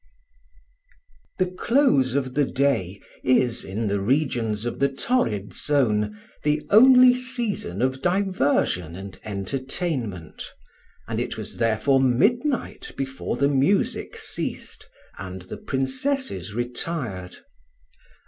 THE close of the day is, in the regions of the torrid zone, the only season of diversion and entertainment, and it was therefore midnight before the music ceased and the princesses retired.